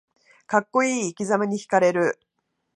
かっこいい生きざまにひかれる